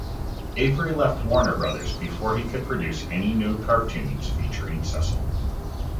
Avery left Warner Brothers before he could produce any new cartoons featuring Cecil.